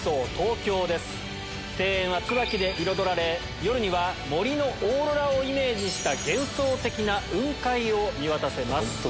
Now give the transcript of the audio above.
庭園は椿で彩られ夜には森のオーロラをイメージした幻想的な雲海を見渡せます。